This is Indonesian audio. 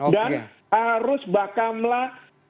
dan harus bakamlah